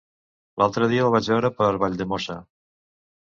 L'altre dia el vaig veure per Valldemossa.